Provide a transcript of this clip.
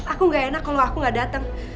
aku gak enak kalau aku gak datang